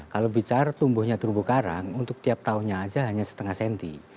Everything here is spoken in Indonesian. kalau bicara tumbuhnya terumbu karang untuk tiap tahunnya aja hanya setengah senti